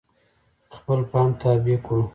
خپل فهم تابع کړو.